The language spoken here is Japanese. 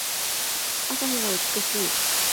朝日が美しい。